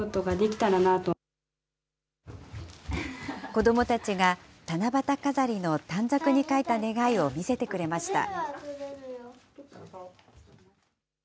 子どもたちが七夕飾りの短冊に書いた願いを見せてくれました。